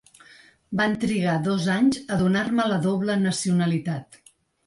Van trigar dos anys a donar-me la doble nacionalitat.